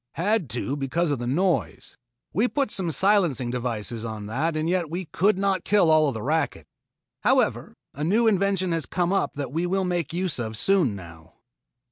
"Had to because of the noise. We put some silencing devices on that and yet we could not kill all of the racket. However a new invention has come up that we will make use of soon now."